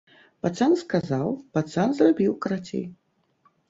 Пацан сказаў, пацан зрабіў, карацей!